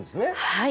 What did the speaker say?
はい。